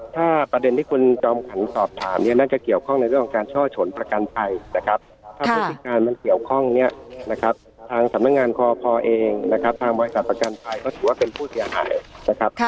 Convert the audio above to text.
ถ้าประเด็นที่คุณจอมขวัญสอบถามเนี่ยน่าจะเกี่ยวข้องในเรื่องของการช่อฉนประกันภัยนะครับถ้าพฤติการมันเกี่ยวข้องเนี่ยนะครับทางสำนักงานคอพอเองนะครับทางบริษัทประกันภัยก็ถือว่าเป็นผู้เสียหายนะครับ